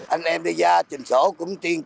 anh em đây ra trình sổ cũng tiên tri